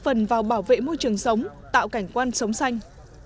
góp phần vào bảo vệ môi trường sống tạo cảnh quan sống xanh